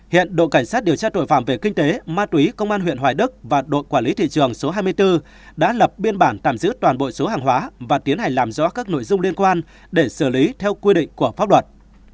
hiện đội cảnh sát điều tra tội phạm về kinh tế ma túy công an huyện hoài đức và đội quản lý thị trường số hai mươi bốn đã lập biên bản tạm giữ toàn bộ số hàng hóa và tiến hành làm rõ các nội dung liên quan để xử lý theo quy định của pháp luật